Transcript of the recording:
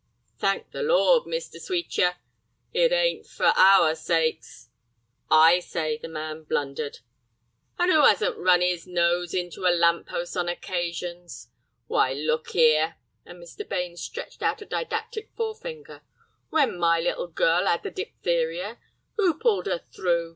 "Thank the Lord, Mr. Sweetyer, it ain't, for our sakes." "I say the man blundered." "And who 'asn't run 'is nose into a lamp post on occasions? Why, look 'ere," and Mr. Bains stretched out a didactic forefinger, "when my little girl 'ad the diphtheria, who pulled 'er through?